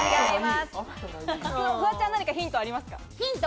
フワちゃん、ヒントありますか？